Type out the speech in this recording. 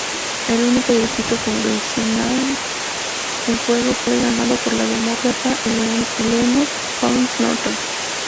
El único distrito congresional en juego fue ganado por la Demócrata Eleanor Holmes Norton.